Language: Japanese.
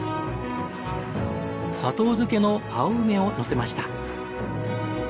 砂糖漬けの青梅をのせました。